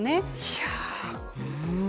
いやうん。